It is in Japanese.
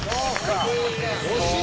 惜しい！